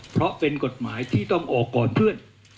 เพราะเป็นกฎหมายที่ต้องออกก่อนเพื่อน